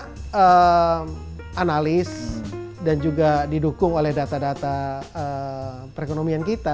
dan juga analis dan juga didukung oleh data data perekonomian kita